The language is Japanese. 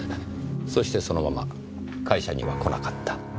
そしてそのまま会社には来なかった。